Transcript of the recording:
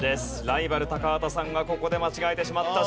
ライバル高畑さんはここで間違えてしまった。